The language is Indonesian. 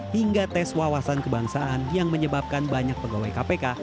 hingga tes wawasan kebangsaan yang menyebabkan banyak pegawai kpk